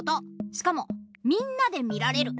しかもみんなでみられる。